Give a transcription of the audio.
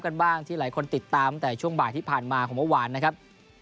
กันบ้างที่หลายคนติดตามแต่ช่วงบ่ายที่ผ่านมาของเมื่อวานนะครับ